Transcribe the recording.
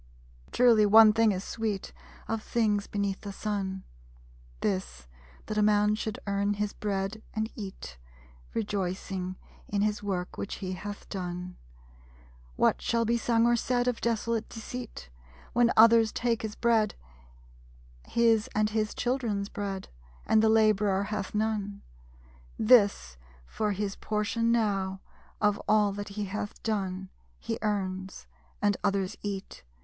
_Truly, one thing is sweet Of things beneath the Sun; This, that a man should earn his bread and eat, Rejoicing in his work which he hath done. What shall be sung or said Of desolate deceit. When others take his bread; His and his children's bread? And the laborer hath none. This, for his portion now, of all that he hath done. He earns; and others eat.